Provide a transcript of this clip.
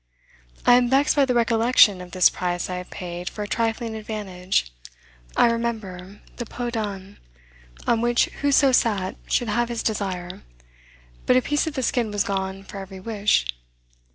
I am vexed by the recollection of this price I have paid for a trifling advantage. I remember the peau d'ane, on which whoso sat should have his desire, but a piece of the skin was gone for every wish.